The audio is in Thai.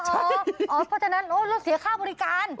เพราะฉะนั้นรถเสียค่าบริการ